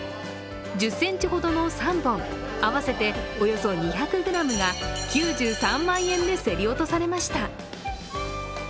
１０ｃｍほどの３本合わせておよそ２００ｇが９３万円で競り落とされました。